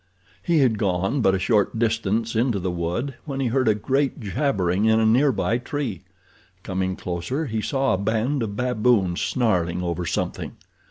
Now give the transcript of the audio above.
He had gone but a short distance into the wood when he heard a great jabbering in a near by tree. Coming closer he saw a band of baboons snarling over something.